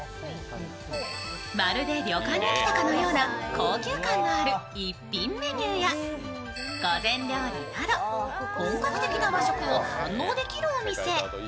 まるで旅館に来たかのような高級感のある一品メニューや御膳料理など、本格的な和食を堪能できるお店。